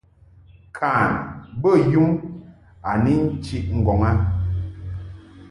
Kan bə yum a ni nchiʼ ŋgɔŋ a.